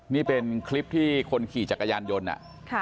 นี่เป็นคลิปที่คนขี่จักรยานยนต์